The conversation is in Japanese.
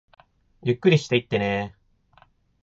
ゆっくりしていってねー